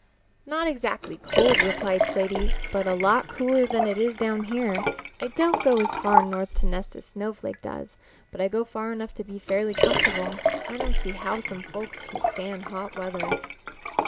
"Not exactly cold," replied Slaty, "but a lot cooler than it is down here. I don't go as far north to nest as Snowflake does, but I go far enough to be fairly comfortable. I don't see how some folks can stand hot weather."